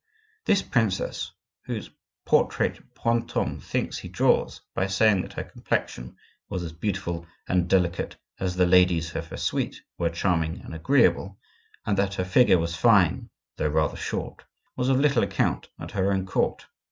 This princess, whose portrait Brantome thinks he draws by saying that her complexion was as beautiful and delicate as the ladies of her suite were charming and agreeable, and that her figure was fine though rather short, was of little account at her own court.